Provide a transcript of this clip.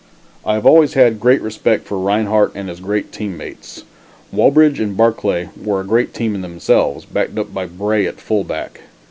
I have always had great respect for Rinehart, and his great team mates. Walbridge and Barclay were a great team in themselves, backed up by Bray at fullback.